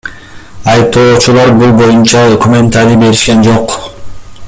Айыптоочулар бул боюнча комментарий беришкен жок.